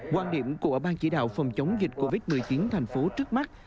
quan điểm của ban chỉ đạo phòng chống dịch covid một mươi chín thành phố trước mắt